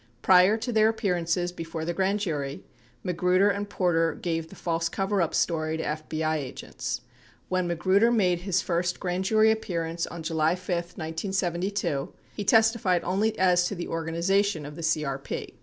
6 Prior to their appearances before the grand jury, Magruder and Porter gave the false coverup story to FBI agents. 7 When Magruder made his first grand jury appearance on July 5, 1972, he testified only as to the organization of the CRP.